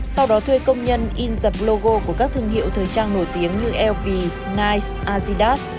sau đó thuê công nhân in dập logo của các thương hiệu thời trang nổi tiếng như lv nige asidas